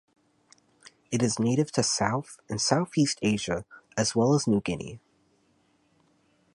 It is native to South and Southeast Asia, as well as New Guinea.